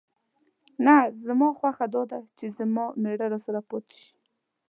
نه، زما خوښه دا ده چې زما مېړه راسره پاتې شي.